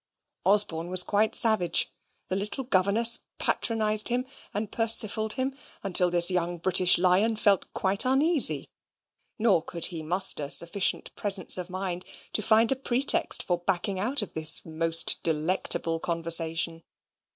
Osborne was quite savage. The little governess patronised him and persiffled him until this young British Lion felt quite uneasy; nor could he muster sufficient presence of mind to find a pretext for backing out of this most delectable conversation.